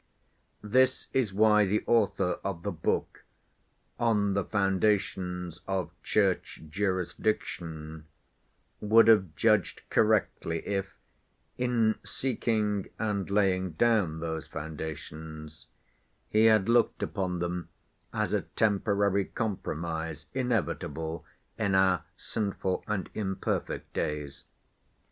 This is why the author of the book On the Foundations of Church Jurisdiction would have judged correctly if, in seeking and laying down those foundations, he had looked upon them as a temporary compromise inevitable in our sinful and imperfect days.